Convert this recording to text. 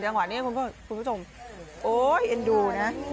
จังหวะนี้คุณผู้ชมโอ๊ยเอ็นดูนะ